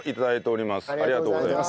ありがとうございます。